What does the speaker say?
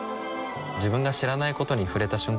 自分が知らないことに触れた瞬間